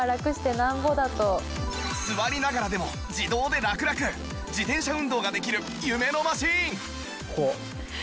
座りながらでも自動でラクラク自転車運動ができる夢のマシン